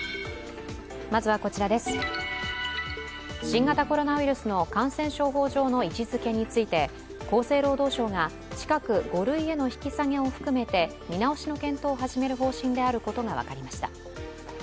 新型コロナウイルスの感染症法上の位置づけについて厚生労働省が近く、５類への引き下げを含めて見直しの検討を始める方針であることが分かりました。